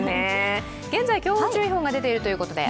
現在、強風注意報が出ているということで。